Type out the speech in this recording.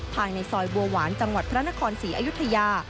ภายในซอยบัวหวานจังหวัดพระนครศรีอยุธยา